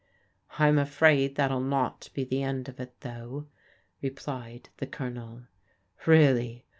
" I'm afraid that'll not be the end of it, though," re plied the Colonel.